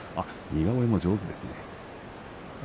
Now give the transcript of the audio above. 似顔絵も上手ですね。